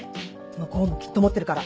向こうもきっと思ってるから。